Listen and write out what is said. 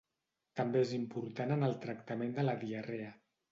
També és important en el tractament de la diarrea.